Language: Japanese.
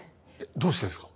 どうしてですか？